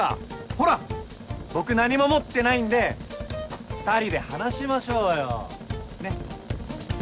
ほら僕何も持ってないんで２人で話しましょうよねっ。